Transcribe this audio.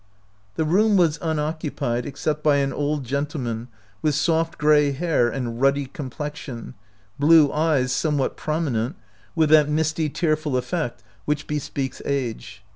The room was unoccupied except by an old gentleman with soft gray hair and ruddy complexion, blue eyes somewhat prominent, with that misty tearful effect which bespeaks age.